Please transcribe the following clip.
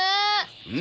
うん？